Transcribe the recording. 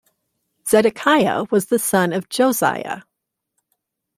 Zedekiah was the son of Josiah.